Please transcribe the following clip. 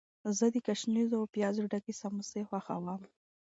زه د ګشنیزو او پیازو ډکې سموسې خوښوم.